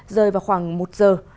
rời vào khoảng một giờ